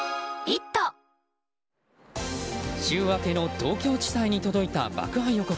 週明けの東京地裁に届いた爆破予告。